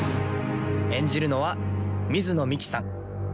演じるのは水野美紀さん。